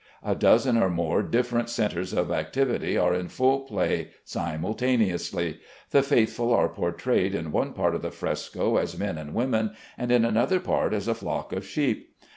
A dozen or more different centres of activity are in full play simultaneously. The faithful are portrayed in one part of the fresco as men and women, and in another part as a flock of sheep.